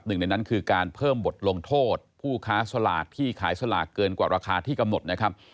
หนึ่งในนั้นคือการเพิ่มบทลงโทษผู้ค้าสลากที่ขายสลากเกินกว่าราคาที่กำหนดนะครับ